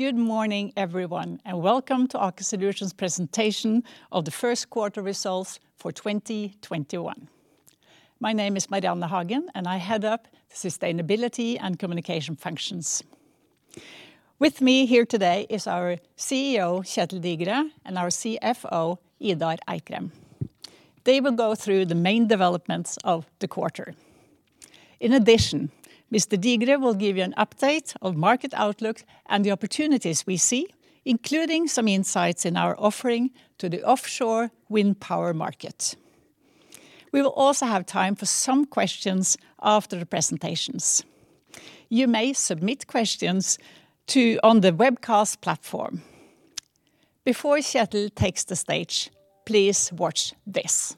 Good morning, everyone, and welcome to Aker Solutions presentation of the first quarter results for 2021. My name is Marianne Hagen, and I head up sustainability and communication functions. With me here today is our CEO, Kjetel Digre, and our CFO, Idar Eikrem. They will go through the main developments of the quarter. In addition, Mr. Digre will give you an update of market outlook and the opportunities we see, including some insights in our offering to the offshore wind power market. We will also have time for some questions after the presentations. You may submit questions on the webcast platform. Before Kjetel takes the stage, please watch this.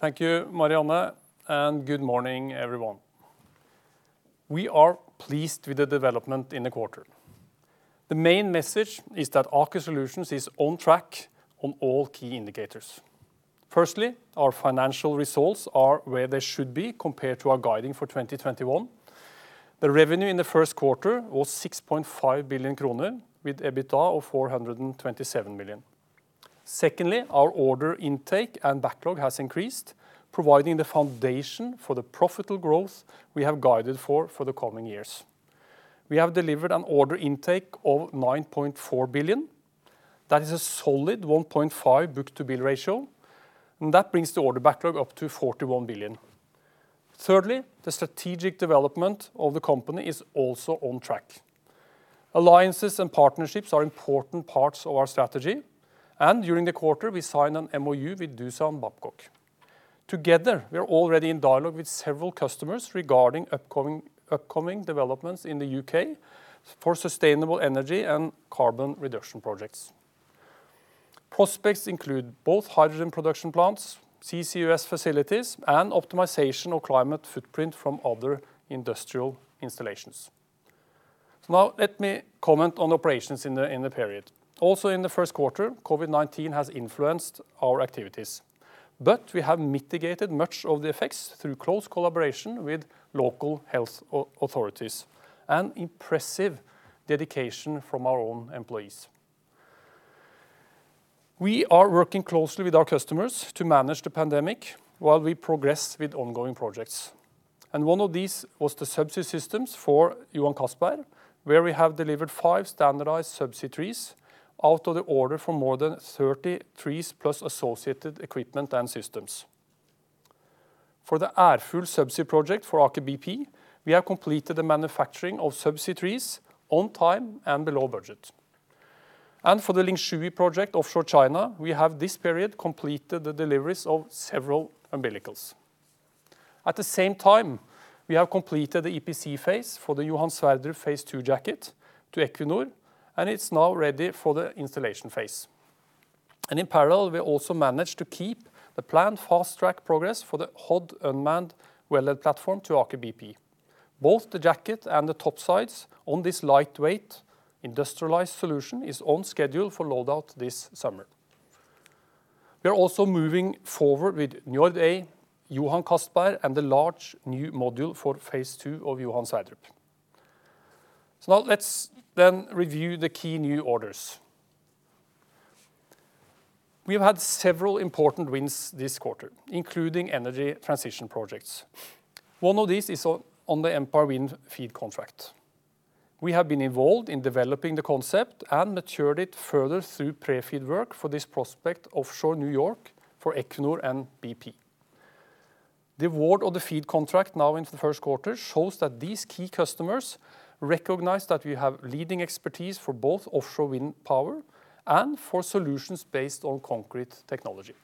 Thank you, Marianne, and good morning, everyone. We are pleased with the development in the quarter. The main message is that Aker Solutions is on track on all key indicators. Firstly, our financial results are where they should be compared to our guiding for 2021. The revenue in the first quarter was 6.5 billion kroner, with EBITDA of 427 million. Secondly, our order intake and backlog has increased, providing the foundation for the profitable growth we have guided for for the coming years. We have delivered an order intake of 9.4 billion. That is a solid 1.5 book-to-bill ratio, and that brings the order backlog up to 41 billion. Thirdly, the strategic development of the company is also on track. Alliances and partnerships are important parts of our strategy, and during the quarter, we signed an MoU with Doosan Babcock. Together, we are already in dialogue with several customers regarding upcoming developments in the U.K. for sustainable energy and carbon reduction projects. Prospects include both hydrogen production plants, CCUS facilities, and optimization of climate footprint from other industrial installations. Now, let me comment on operations in the period. Also in the first quarter, COVID-19 has influenced our activities, but we have mitigated much of the effects through close collaboration with local health authorities and impressive dedication from our own employees. We are working closely with our customers to manage the pandemic while we progress with ongoing projects. One of these was the subsea systems for Johan Castberg, where we have delivered five standardized subsea trees out of the order for more than 30 trees plus associated equipment and systems. For the Ærfugl subsea project for Aker BP, we have completed the manufacturing of subsea trees on time and below budget. For the Lingshui project offshore China, we have this period completed the deliveries of several umbilicals. At the same time, we have completed the EPC phase for the Johan Sverdrup Phase 2 jacket to Equinor, and it's now ready for the installation phase. In parallel, we also managed to keep the planned fast-track progress for the Hod unmanned wellhead platform to Aker BP. Both the jacket and the topsides on this lightweight industrialized solution is on schedule for load out this summer. We are also moving forward with Njord A, Johan Castberg, and the large new module for Phase 2 of Johan Sverdrup. Now let's review the key new orders. We've had several important wins this quarter, including energy transition projects. One of these is on the Empire Wind FEED contract. We have been involved in developing the concept and matured it further through pre-FEED work for this prospect offshore New York for Equinor and BP. The award of the FEED contract now into the first quarter shows that these key customers recognize that we have leading expertise for both offshore wind power and for solutions based on concrete technology.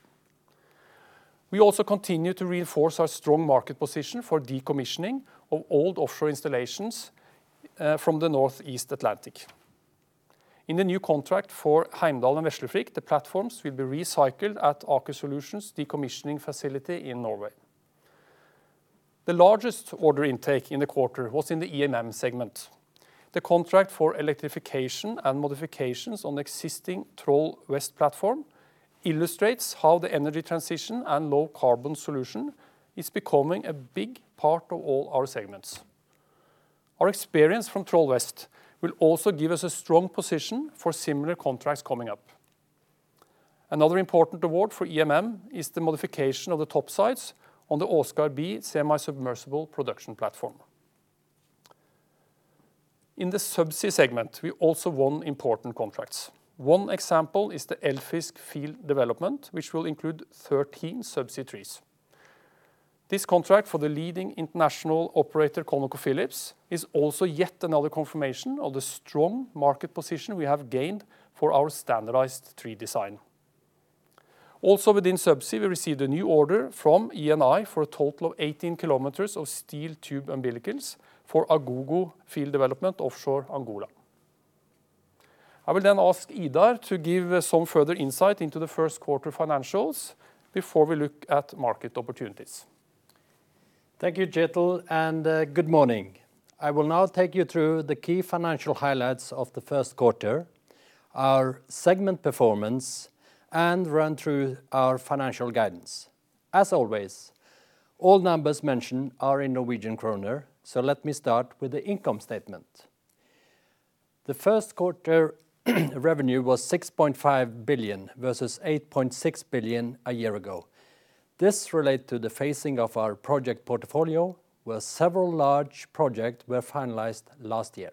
We also continue to reinforce our strong market position for decommissioning of old offshore installations from the Northeast Atlantic. In the new contract for Heimdal and Veslefrikk, the platforms will be recycled at Aker Solutions decommissioning facility in Norway. The largest order intake in the quarter was in the EMM segment. The contract for electrification and modifications on the existing Troll West platform illustrates how the energy transition and low carbon solution is becoming a big part of all our segments. Our experience from Troll West will also give us a strong position for similar contracts coming up. Another important award for EMM is the modification of the topsides on the Åsgard B semi-submersible production platform. In the subsea segment, we also won important contracts. One example is the Eldfisk field development, which will include 13 subsea trees. This contract for the leading international operator, ConocoPhillips, is also yet another confirmation of the strong market position we have gained for our standardized tree design. Also within subsea, we received a new order from ENI for a total of 18 kilometers of steel tube umbilicals for Agogo field development offshore Angola. I will then ask Idar to give some further insight into the first quarter financials before we look at market opportunities. Thank you, Kjetel. Good morning. I will now take you through the key financial highlights of the first quarter, our segment performance, and run through our financial guidance. As always, all numbers mentioned are in Norwegian kroner. Let me start with the income statement. The first quarter revenue was 6.5 billion versus 8.6 billion a year ago. This relates to the phasing of our project portfolio, where several large projects were finalized last year.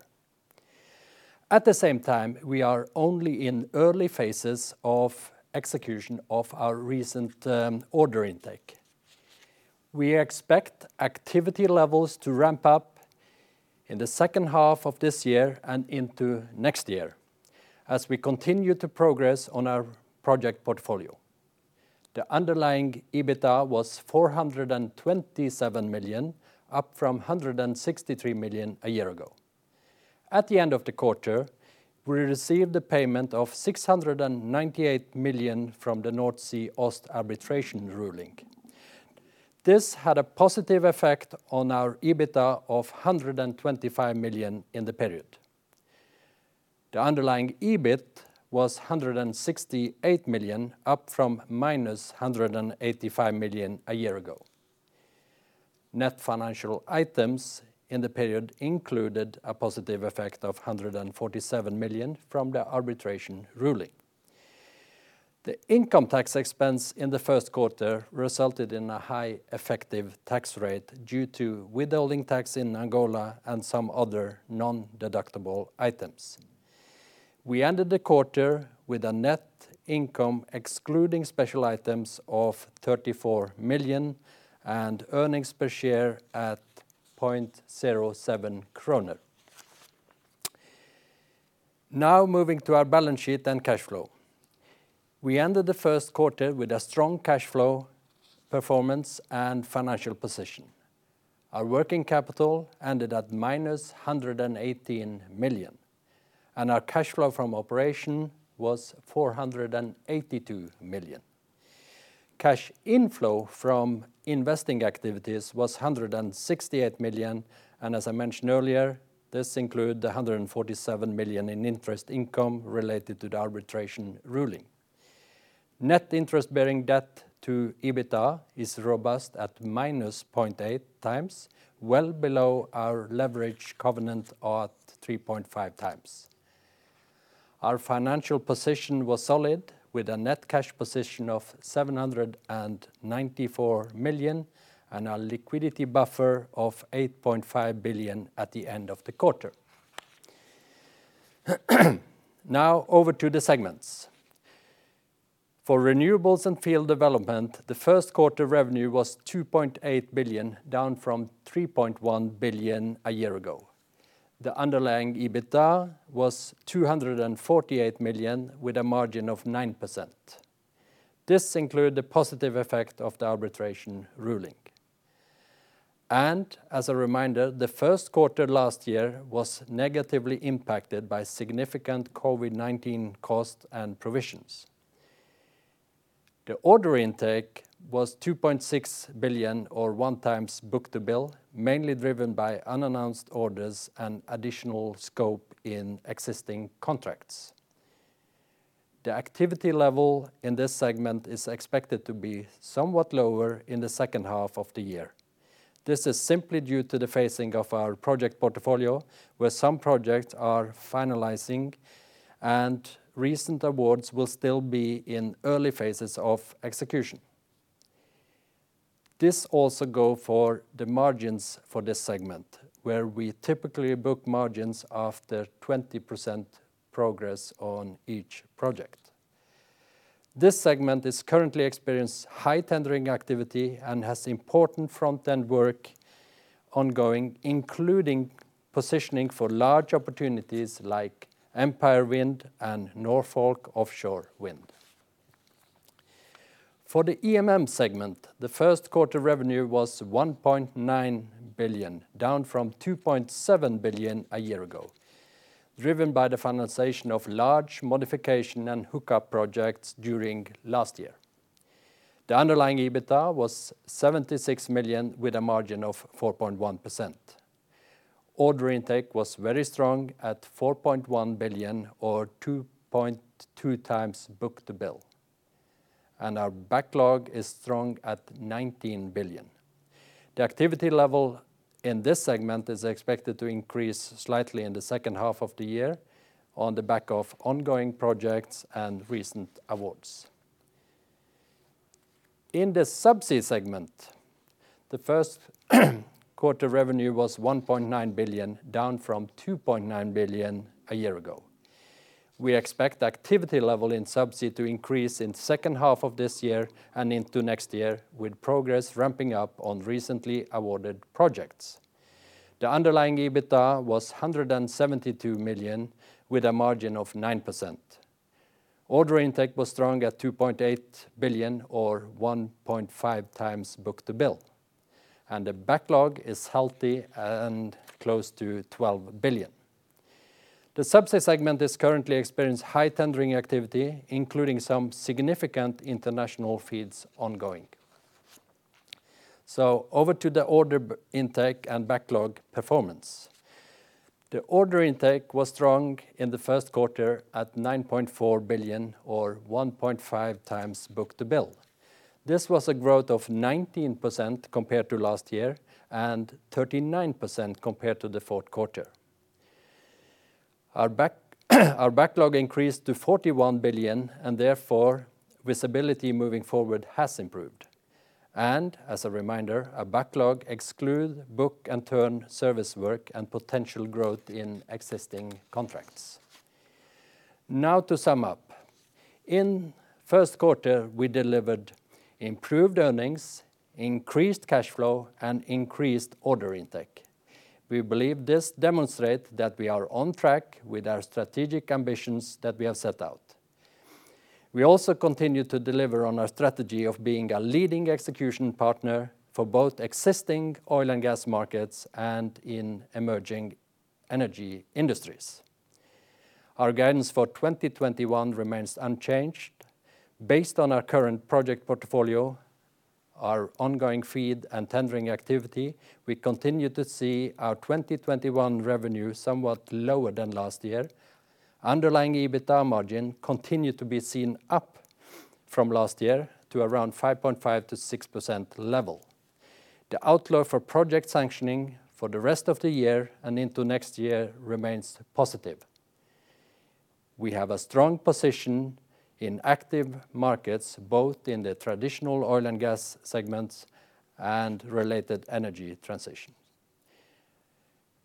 At the same time, we are only in early phases of execution of our recent order intake. We expect activity levels to ramp up in the second half of this year and into next year as we continue to progress on our project portfolio. The underlying EBITDA was 427 million, up from 163 million a year ago. At the end of the quarter, we received a payment of 698 million from the Nordsee Ost arbitration ruling. This had a positive effect on our EBITDA of 125 million in the period. The underlying EBIT was 168 million, up from -185 million a year ago. Net financial items in the period included a positive effect of 147 million from the arbitration ruling. The income tax expense in the first quarter resulted in a high effective tax rate due to withholding tax in Angola and some other non-deductible items. We ended the quarter with a net income excluding special items of 34 million and earnings per share at 0.07 kroner. Now moving to our balance sheet and cash flow. We ended the first quarter with a strong cash flow performance and financial position. Our working capital ended at -118 million, and our cash flow from operation was 482 million. Cash inflow from investing activities was 168 million. As I mentioned earlier, this include 147 million in interest income related to the arbitration ruling. Net interest-bearing debt to EBITDA is robust at -0.8x, well below our leverage covenant of 3.5x. Our financial position was solid, with a net cash position of 794 million and a liquidity buffer of 8.5 billion at the end of the quarter. Over to the segments. For renewables and field development, the first quarter revenue was 2.8 billion, down from 3.1 billion a year ago. The underlying EBITDA was 248 million with a margin of 9%. This include the positive effect of the arbitration ruling. As a reminder, the first quarter last year was negatively impacted by significant COVID-19 costs and provisions. The order intake was 2.6 billion, or one times book-to-bill, mainly driven by unannounced orders and additional scope in existing contracts. The activity level in this segment is expected to be somewhat lower in the second half of the year. This is simply due to the phasing of our project portfolio, where some projects are finalizing and recent awards will still be in early phases of execution. This also go for the margins for this segment, where we typically book margins after 20% progress on each project. This segment is currently experienced high tendering activity and has important front-end work ongoing, including positioning for large opportunities like Empire Wind and Norfolk offshore wind. For the EMM segment, the first quarter revenue was 1.9 billion, down from 2.7 billion a year ago, driven by the finalization of large modification and hookup projects during last year. The underlying EBITDA was 76 million with a margin of 4.1%. The order intake was very strong at 4.1 billion, or 2.2 times book-to-bill. Our backlog is strong at 19 billion. The activity level in this segment is expected to increase slightly in the second half of the year on the back of ongoing projects and recent awards. In the subsea segment, the first quarter revenue was 1.9 billion, down from 2.9 billion a year ago. We expect activity level in subsea to increase in the second half of this year and into next year, with progress ramping up on recently awarded projects. The underlying EBITDA was 172 million, with a margin of 9%. Order intake was strong at 2.8 billion, or 1.5 times book-to-bill. The backlog is healthy and close to 12 billion. The subsea segment is currently experiencing high tendering activity, including some significant international fields ongoing. Over to the order intake and backlog performance. The order intake was strong in the first quarter at 9.4 billion or 1.5 times book-to-bill. This was a growth of 19% compared to last year and 39% compared to the fourth quarter. Our backlog increased to 41 billion, and therefore visibility moving forward has improved. As a reminder, our backlog excludes book and turn service work and potential growth in existing contracts. To sum up, in first quarter we delivered improved earnings, increased cash flow, and increased order intake. We believe this demonstrate that we are on track with our strategic ambitions that we have set out. We also continue to deliver on our strategy of being a leading execution partner for both existing oil and gas markets and in emerging energy industries. Our guidance for 2021 remains unchanged. Based on our current project portfolio, our ongoing FEED and tendering activity, we continue to see our 2021 revenue somewhat lower than last year. Underlying EBITDA margin continued to be seen up from last year to around 5.5%-6% level. The outlook for project sanctioning for the rest of the year and into next year remains positive. We have a strong position in active markets, both in the traditional oil and gas segments and related energy transition.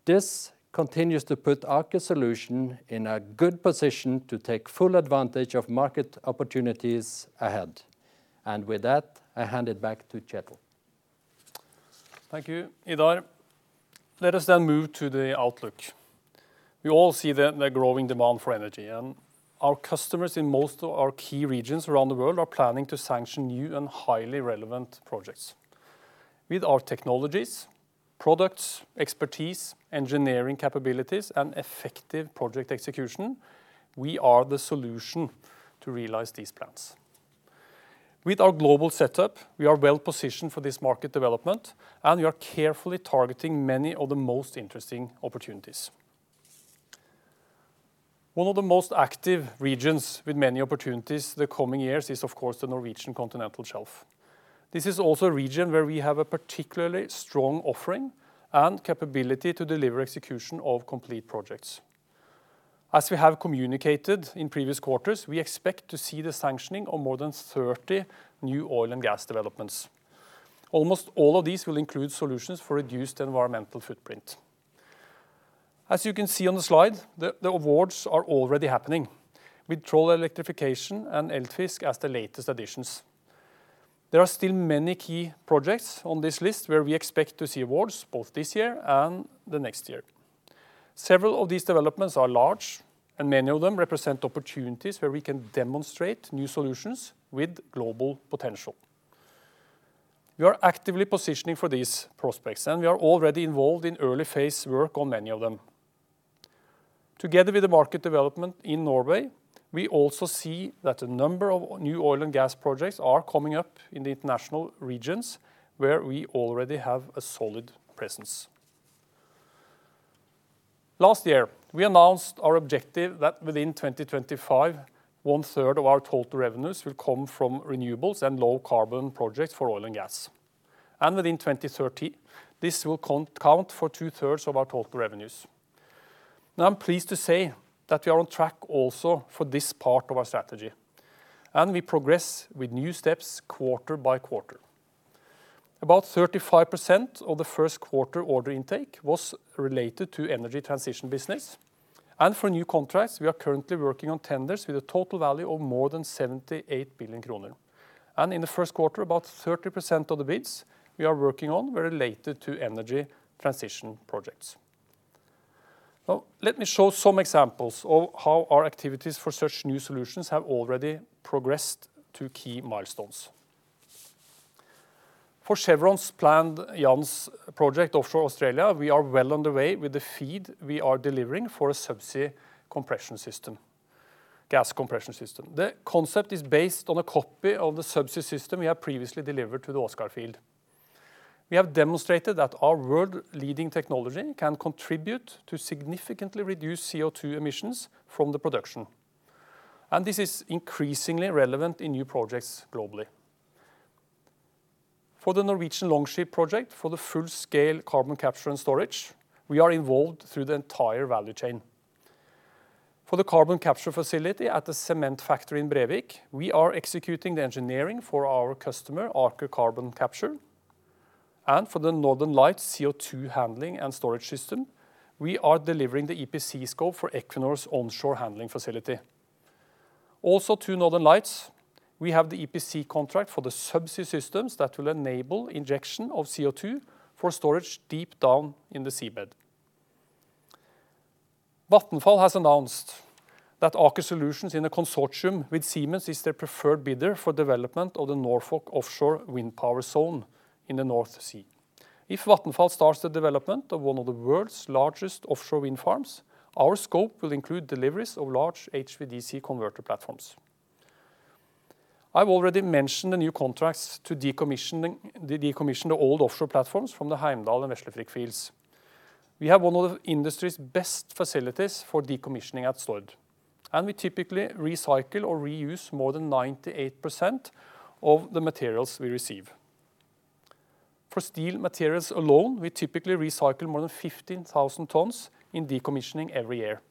This continues to put Aker Solutions in a good position to take full advantage of market opportunities ahead. With that, I hand it back to Kjetel. Thank you, Idar. Let us move to the outlook. We all see the growing demand for energy. Our customers in most of our key regions around the world are planning to sanction new and highly relevant projects. With our technologies, products, expertise, engineering capabilities, and effective project execution, we are the solution to realize these plans. With our global setup, we are well positioned for this market development. We are carefully targeting many of the most interesting opportunities. One of the most active regions with many opportunities the coming years is of course the Norwegian Continental Shelf. This is also a region where we have a particularly strong offering and capability to deliver execution of complete projects. As we have communicated in previous quarters, we expect to see the sanctioning of more than 30 new oil and gas developments. Almost all of these will include solutions for reduced environmental footprint. As you can see on the slide, the awards are already happening with Troll West electrification and Eldfisk as the latest additions. There are still many key projects on this list where we expect to see awards both this year and the next year. Several of these developments are large, and many of them represent opportunities where we can demonstrate new solutions with global potential. We are actively positioning for these prospects, and we are already involved in early phase work on many of them. Together with the market development in Norway, we also see that a number of new oil and gas projects are coming up in the international regions where we already have a solid presence. Last year, we announced our objective that within 2025, one third of our total revenues will come from renewables and low carbon projects for oil and gas. Within 2030, this will count for two thirds of our total revenues. I'm pleased to say that we are on track also for this part of our strategy, and we progress with new steps quarter by quarter. About 35% of the first quarter order intake was related to energy transition business. For new contracts, we are currently working on tenders with a total value of more than 78 billion kroner. In the first quarter, about 30% of the bids we are working on were related to energy transition projects. Let me show some examples of how our activities for such new solutions have already progressed to key milestones. For Chevron's planned Jansz project offshore Australia, we are well on the way with the FEED we are delivering for a subsea compression system, gas compression system. The concept is based on a copy of the subsea system we have previously delivered to the Åsgard field. We have demonstrated that our world-leading technology can contribute to significantly reduce CO2 emissions from the production. This is increasingly relevant in new projects globally. For the Norwegian Longship project, for the full-scale carbon capture and storage, we are involved through the entire value chain. For the carbon capture facility at the cement factory in Brevik, we are executing the engineering for our customer, Aker Carbon Capture, and for the Northern Lights CO2 handling and storage system, we are delivering the EPC scope for Equinor's onshore handling facility. To Northern Lights, we have the EPC contract for the subsea systems that will enable injection of CO2 for storage deep down in the seabed. Vattenfall has announced that Aker Solutions in a consortium with Siemens is their preferred bidder for development of the Norfolk offshore wind power zone in the North Sea. If Vattenfall starts the development of one of the world's largest offshore wind farms, our scope will include deliveries of large HVDC converter platforms. I've already mentioned the new contracts to decommission the old offshore platforms from the Heimdal and Veslefrikk fields. We have one of the industry's best facilities for decommissioning at Stord, and we typically recycle or reuse more than 98% of the materials we receive. Steel materials alone, we typically recycle more than 15,000 tons in decommissioning every year.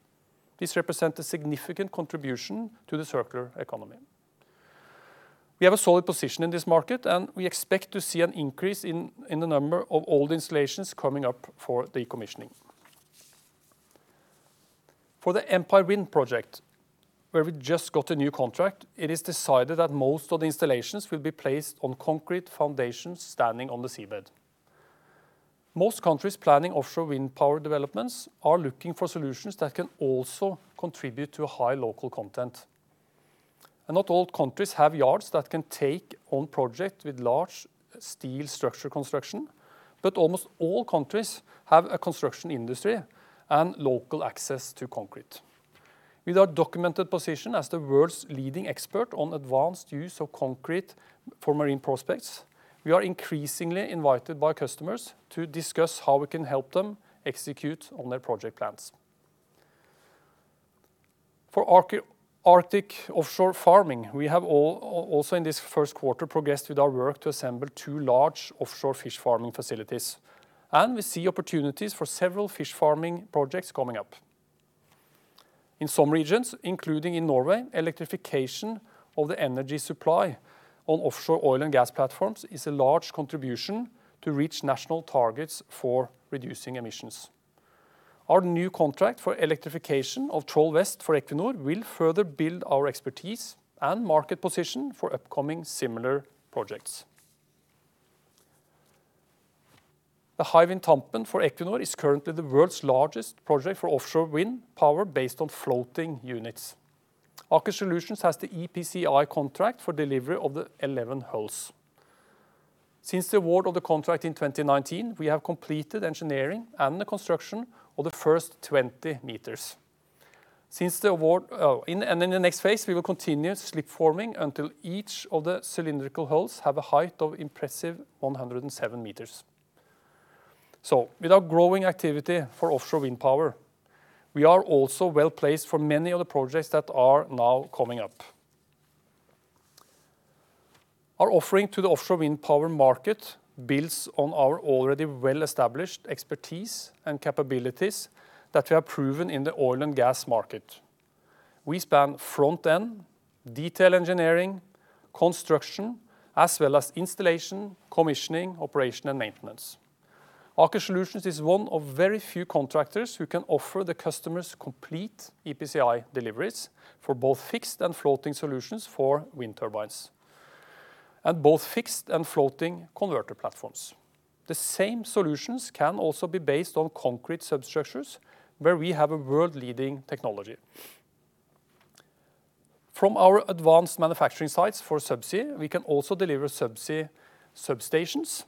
This represents a significant contribution to the circular economy. We have a solid position in this market. We expect to see an increase in the number of old installations coming up for decommissioning. For the Empire Wind project, where we just got a new contract, it is decided that most of the installations will be placed on concrete foundations standing on the seabed. Most countries planning offshore wind power developments are looking for solutions that can also contribute to a high local content. Not all countries have yards that can take on project with large steel structure construction, but almost all countries have a construction industry and local access to concrete. With our documented position as the world's leading expert on advanced use of concrete for marine prospects, we are increasingly invited by customers to discuss how we can help them execute on their project plans. For Arctic Offshore farming, we have also in this first quarter progressed with our work to assemble two large offshore fish farming facilities, and we see opportunities for several fish farming projects coming up. In some regions, including in Norway, electrification of the energy supply on offshore oil and gas platforms is a large contribution to reach national targets for reducing emissions. Our new contract for electrification of Troll West for Equinor will further build our expertise and market position for upcoming similar projects. The Hywind Tampen for Equinor is currently the world's largest project for offshore wind power based on floating units. Aker Solutions has the EPCI contract for delivery of the 11 hulls. Since the award of the contract in 2019, we have completed engineering and the construction of the first 20 meters. In the next phase, we will continue slip forming until each of the cylindrical hulls have a height of impressive 107 meters. With our growing activity for offshore wind power, we are also well-placed for many of the projects that are now coming up. Our offering to the offshore wind power market builds on our already well-established expertise and capabilities that we have proven in the oil and gas market. We span front-end, detail engineering, construction, as well as installation, commissioning, operation, and maintenance. Aker Solutions is one of very few contractors who can offer the customers complete EPCI deliveries for both fixed and floating solutions for wind turbines and both fixed and floating converter platforms. The same solutions can also be based on concrete substructures, where we have a world-leading technology. From our advanced manufacturing sites for subsea, we can also deliver subsea substations,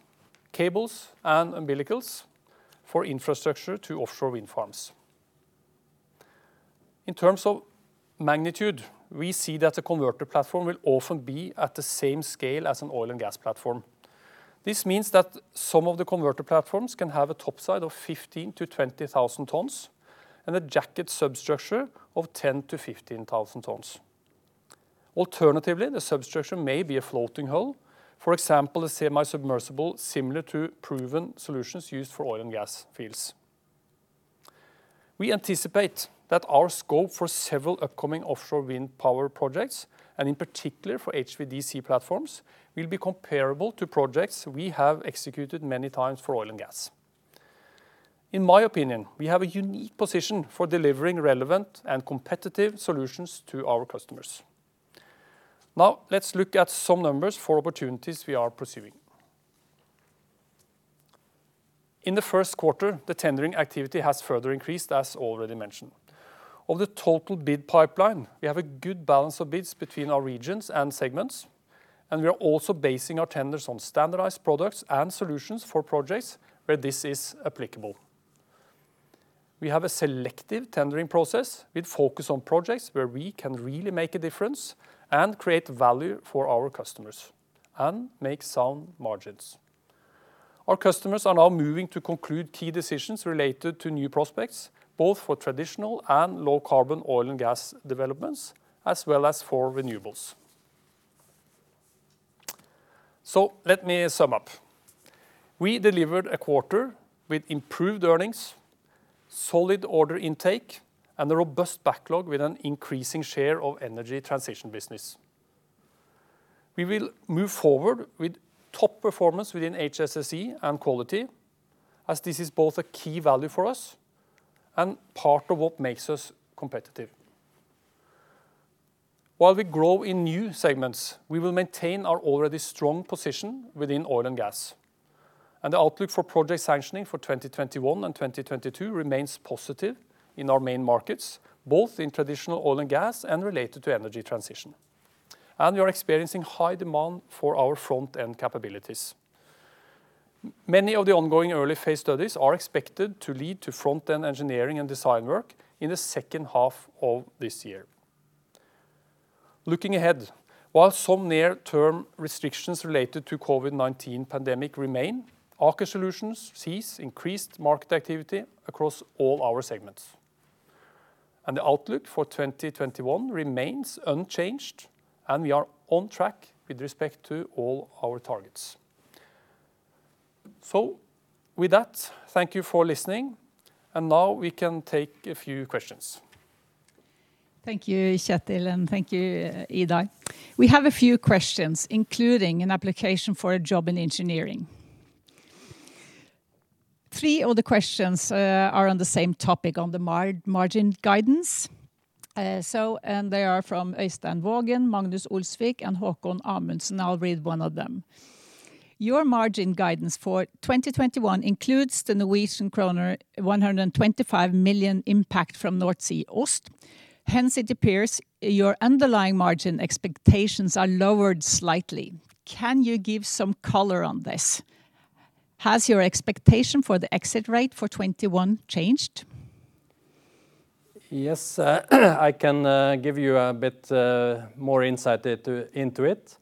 cables, and umbilicals for infrastructure to offshore wind farms. In terms of magnitude, we see that the converter platform will often be at the same scale as an oil and gas platform. This means that some of the converter platforms can have a topside of 15,000 tons-20,000 tons and a jacket substructure of 10,000 tons-15,000 tons. Alternatively, the substructure may be a floating hull, for example, a semi-submersible similar to proven solutions used for oil and gas fields. We anticipate that our scope for several upcoming offshore wind power projects, and in particular for HVDC platforms, will be comparable to projects we have executed many times for oil and gas. In my opinion, we have a unique position for delivering relevant and competitive solutions to our customers. Let's look at some numbers for opportunities we are pursuing. In the first quarter, the tendering activity has further increased, as already mentioned. Of the total bid pipeline, we have a good balance of bids between our regions and segments, and we are also basing our tenders on standardized products and solutions for projects where this is applicable. We have a selective tendering process with focus on projects where we can really make a difference and create value for our customers and make sound margins. Our customers are now moving to conclude key decisions related to new prospects, both for traditional and low-carbon oil and gas developments, as well as for renewables. Let me sum up. We delivered a quarter with improved earnings, solid order intake, and a robust backlog with an increasing share of energy transition business. We will move forward with top performance within HSSE and quality, as this is both a key value for us and part of what makes us competitive. While we grow in new segments, we will maintain our already strong position within oil and gas. The outlook for project sanctioning for 2021 and 2022 remains positive in our main markets, both in traditional oil and gas and related to energy transition. We are experiencing high demand for our front-end capabilities. Many of the ongoing early phase studies are expected to lead to front-end engineering and design work in the second half of this year. Looking ahead, while some near-term restrictions related to COVID-19 pandemic remain, Aker Solutions sees increased market activity across all our segments. The outlook for 2021 remains unchanged, and we are on track with respect to all our targets. With that, thank you for listening, and now we can take a few questions. Thank you, Kjetel, and thank you, Idar. We have a few questions, including an application for a job in engineering. Three of the questions are on the same topic on the margin guidance. They are from Øystein Vaagen, Magnus Olsvik, and Haakon Amundsen. I'll read one of them. Your margin guidance for 2021 includes the Norwegian kroner 125 million impact from Nordsee Ost. Hence, it appears your underlying margin expectations are lowered slightly. Can you give some color on this? Has your expectation for the exit rate for 2021 changed? Yes, I can give you a bit more insight into it.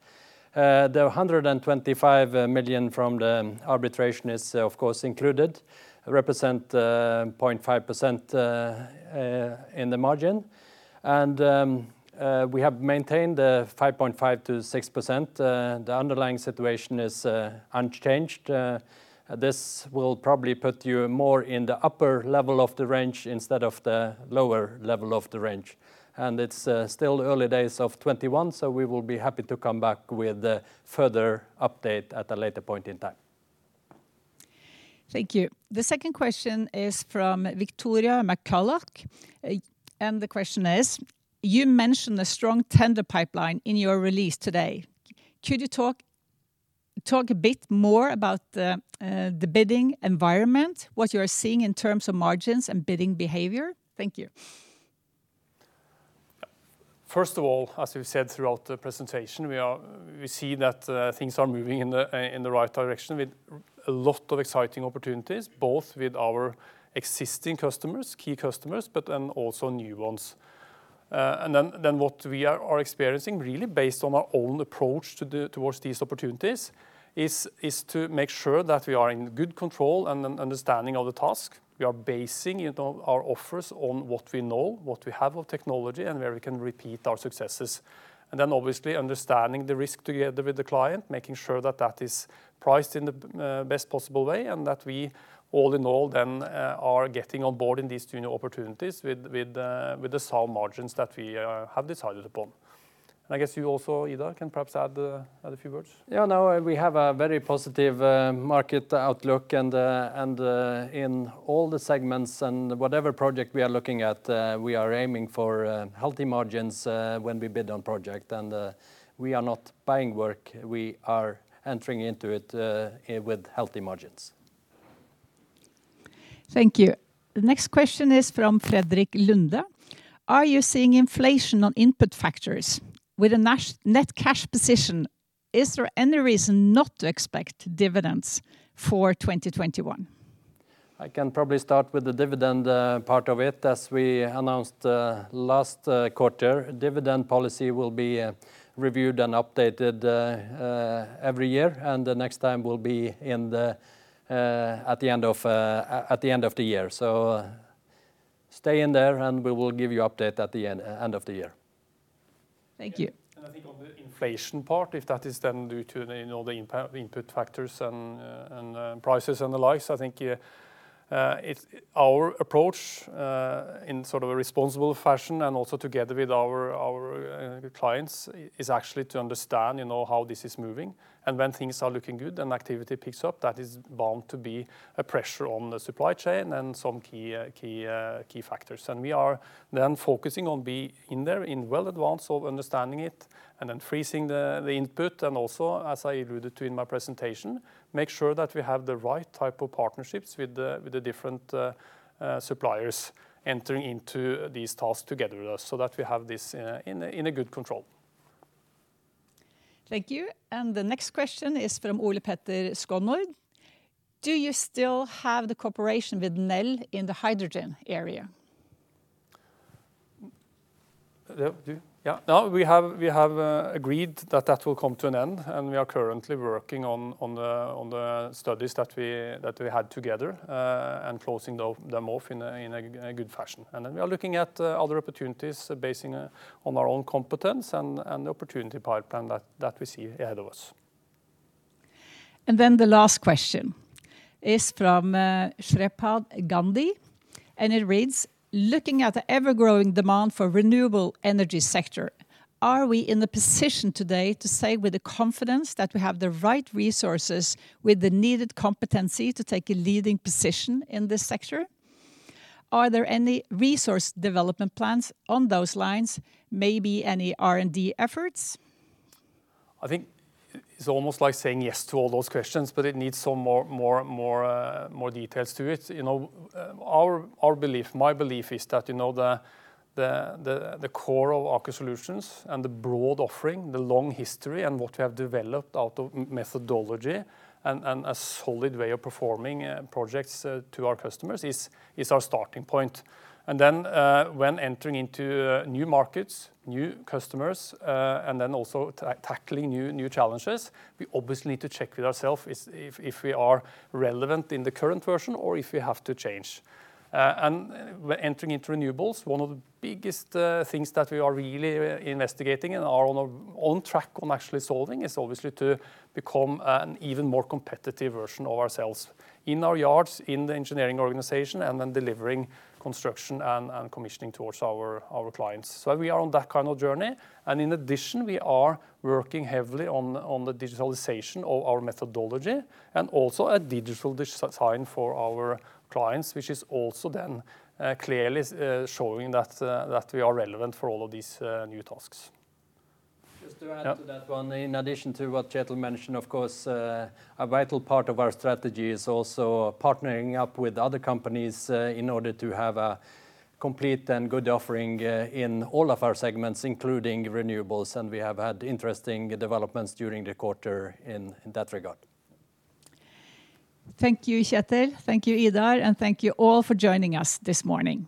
The 125 million from the arbitration is, of course, included, represent 0.5% in the margin. We have maintained the 5.5% to 6%. The underlying situation is unchanged. This will probably put you more in the upper level of the range instead of the lower level of the range. It's still early days of 2021, we will be happy to come back with a further update at a later point in time. Thank you. The second question is from Victoria McCulloch, the question is, you mentioned a strong tender pipeline in your release today. Could you talk a bit more about the bidding environment, what you are seeing in terms of margins and bidding behavior? Thank you. First of all, as we've said throughout the presentation, we see that things are moving in the right direction with a lot of exciting opportunities, both with our existing customers, key customers, but then also new ones. What we are experiencing really based on our own approach towards these opportunities is to make sure that we are in good control and understanding of the task. We are basing our offers on what we know, what we have of technology, and where we can repeat our successes. Obviously understanding the risk together with the client, making sure that that is priced in the best possible way and that we, all in all then, are getting on board in these two new opportunities with the sound margins that we have decided upon. I guess you also, Idar, can perhaps add a few words. Yeah, no, we have a very positive market outlook and in all the segments and whatever project we are looking at, we are aiming for healthy margins when we bid on project. We are not buying work, we are entering into it with healthy margins. Thank you. The next question is from Frederik Lunde. Are you seeing inflation on input factors? With a net cash position, is there any reason not to expect dividends for 2021? I can probably start with the dividend part of it. As we announced last quarter, dividend policy will be reviewed and updated every year, and the next time will be at the end of the year. Stay in there and we will give you an update at the end of the year. Thank you. I think on the inflation part, if that is then due to the input factors and prices and the likes, I think our approach, in a responsible fashion and also together with our clients, is actually to understand how this is moving. When things are looking good and activity picks up, that is bound to be a pressure on the supply chain and some key factors. We are then focusing on being there in well advance of understanding it and then freezing the input and also, as I alluded to in my presentation, make sure that we have the right type of partnerships with the different suppliers entering into these tasks together with us so that we have this in a good control. Thank you. The next question is from Ole Petter Skonnord. Do you still have the cooperation with Nel in the hydrogen area? No, we have agreed that that will come to an end, we are currently working on the studies that we had together and closing them off in a good fashion. We are looking at other opportunities basing on our own competence and the opportunity pipeline that we see ahead of us. The last question is from Shephard Gandhi, and it reads, looking at the ever-growing demand for renewable energy sector, are we in the position today to say with the confidence that we have the right resources with the needed competency to take a leading position in this sector? Are there any resource development plans on those lines, maybe any R&D efforts? I think it's almost like saying yes to all those questions. It needs some more details to it. My belief is that the core of Aker Solutions and the broad offering, the long history, and what we have developed out of methodology and a solid way of performing projects to our customers is our starting point. Then when entering into new markets, new customers, and then also tackling new challenges, we obviously need to check with ourself if we are relevant in the current version or if we have to change. We're entering into renewables. One of the biggest things that we are really investigating and are on track on actually solving is obviously to become an even more competitive version of ourselves in our yards, in the engineering organization, and then delivering construction and commissioning towards our clients. We are on that kind of journey. In addition, we are working heavily on the digitalization of our methodology and also a digital design for our clients, which is also then clearly showing that we are relevant for all of these new tasks. Just to add to that one, in addition to what Kjetel mentioned, of course, a vital part of our strategy is also partnering up with other companies in order to have a complete and good offering in all of our segments, including renewables, and we have had interesting developments during the quarter in that regard. Thank you, Kjetel. Thank you, Idar. Thank you all for joining us this morning.